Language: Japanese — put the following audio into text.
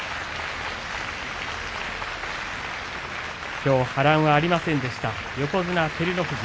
きょうは波乱がありませんでした、横綱照ノ富士。